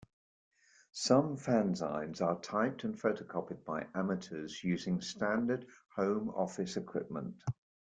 Some fanzines are typed and photocopied by amateurs using standard home office equipment.